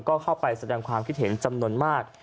ก็เข้าไปแสดงความคิดเห็นจำนวนมาก